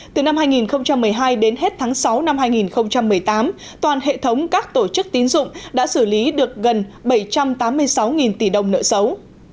từ năm hai nghìn một mươi hai đến hết tháng sáu năm hai nghìn một mươi tám toàn hệ thống các tổ chức tín dụng đã xử lý được gần bảy trăm tám mươi sáu tỷ đồng nợ xấu